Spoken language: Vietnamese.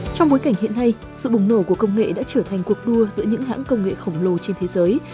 trong bối cảnh hiện nay sự bùng nổ của công nghệ đã trở thành cuộc đua giữa những hãng công nghệ khổng lồ trên thế giới